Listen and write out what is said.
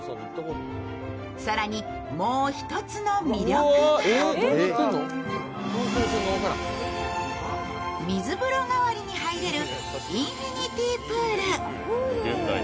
更に、もう一つの魅力が水風呂代わりに入れるインフィニティプール。